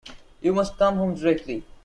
You must come home directly.